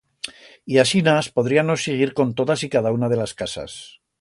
Y asinas podríanos siguir con todas y cada una de las casas.